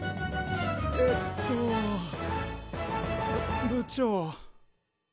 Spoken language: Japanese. えっとぶ部長。